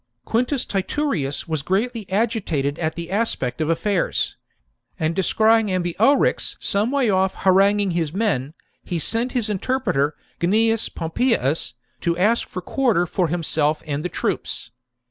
Quintus Titurius was greatly agitated at the aspect of affairs ; and descrying Ambiorix some way off haranguing his men, he sent his interpreter, Gnaeus Pompeius, to ask for quarter for himself and the troops.